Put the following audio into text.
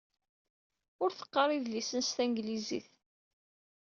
Ur teqqar idlisen s tanglizit.